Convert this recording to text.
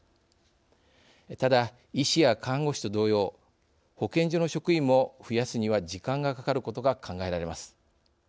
ただ医師や看護師と同様保健所の職員も増やすには時間がかかることが考えられます。